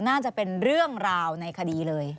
น่าจะเป็นเรื่องราวในคดีเลย